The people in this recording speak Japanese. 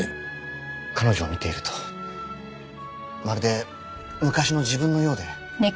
彼女を見ているとまるで昔の自分のようで。